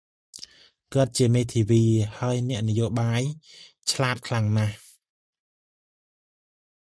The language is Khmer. គាត់ជាមេធាវីហើយអ្នកនយោបាយឆ្លាតខ្លាំងណាស់។